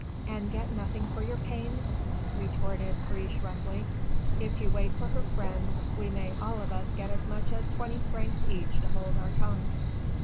"And get nothing for your pains," retorted Friche roughly. "If you wait for her friends we may all of us get as much as twenty francs each to hold our tongues."